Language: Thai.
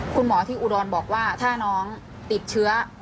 คุณหมอที่อุดรบอกว่าถ้าน้องติดเชื้อ